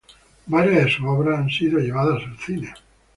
Varias de sus obras han sido llevadas al cine.